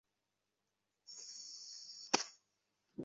না, এটা সম্ভব নয়।